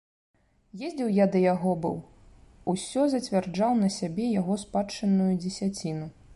Ездзіў я да яго быў, усё зацвярджаў на сябе яго спадчынную дзесяціну.